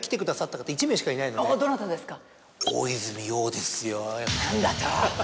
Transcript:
おぉどなたですか？